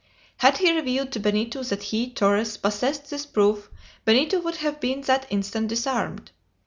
Had he revealed to Benito that he, Torres, possessed this proof, Benito would have been that instant disarmed.